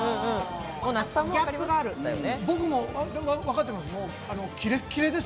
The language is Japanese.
僕もわかってます。